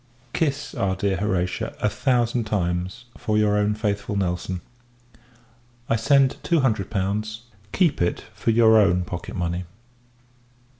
Kiss our dear Horatia a thousand times, for your own faithful Nelson. I send two hundred pounds, keep it for your own pocket money.